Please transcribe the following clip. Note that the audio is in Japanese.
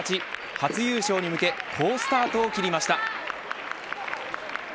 初優勝に向け好スタートを切りました。